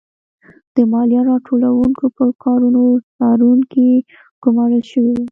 د مالیه راټولوونکو پر کارونو څارونکي ګورمال شوي وو.